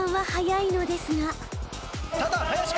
ただ林か？